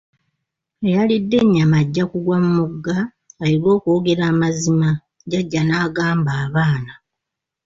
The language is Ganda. Eyalidde ennyama agyakugwa mu mugga, ayige okwogera amazima, jjaja n'agamba abaana.